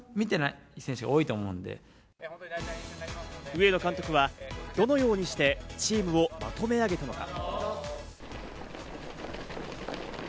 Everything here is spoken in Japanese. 上野監督はどのようにしてチームをまとめ上げたのか。